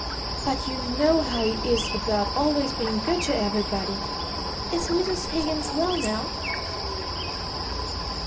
But you know how he is about always being good to everybody. Is Mrs. Higgins well now?"